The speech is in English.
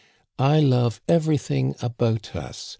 I love everything about us.